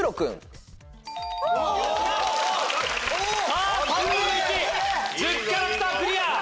さぁ３分の１１０キャラクタークリア。